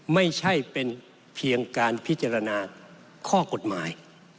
ไม่ใช่เป็นเพียงการพิจารณาข้อกฎหมาย